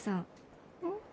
うん？